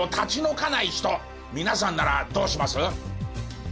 皆さんならどうします？